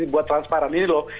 buat transparan ini loh